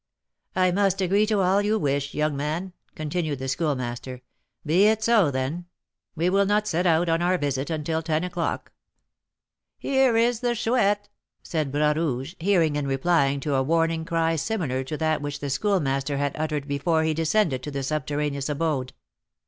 "I must agree to all you wish, young man," continued the Schoolmaster. "Be it so, then; we will not set out on our visit until ten o'clock." "Here is the Chouette!" said Bras Rouge, hearing and replying to a warning cry similar to that which the Schoolmaster had uttered before he descended to the subterraneous abode.